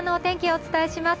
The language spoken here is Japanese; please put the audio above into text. お伝えします。